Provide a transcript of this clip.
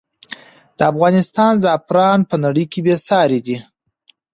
د افغانستان زعفران په نړۍ کې بې ساری دی.